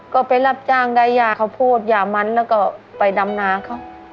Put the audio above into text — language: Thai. ก็ไปรับจ้างได้ยาข้าวโพดยามันแล้วก็ไปดำนาเขา